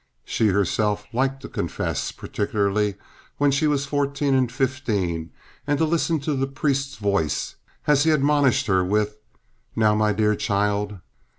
She herself had liked to confess, particularly when she was fourteen and fifteen, and to listen to the priest's voice as he admonished her with, "Now, my dear child."